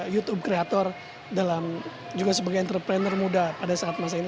youtube creator dalam juga sebagai entrepreneur muda pada saat masa ini